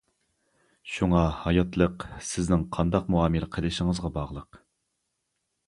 شۇڭا ھاياتلىق سىزنىڭ قانداق مۇئامىلە قىلىشىڭىزغا باغلىق.